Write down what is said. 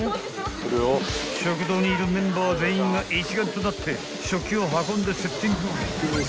［食堂にいるメンバー全員が一丸となって食器を運んでセッティング］